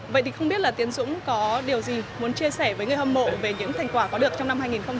vậy thì không biết là tiến dũng có điều gì muốn chia sẻ với người hâm mộ về những thành quả có được trong năm hai nghìn một mươi tám hay không